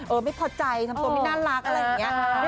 ไม่พอใจทำตัวไม่น่ารักอะไรอย่างนี้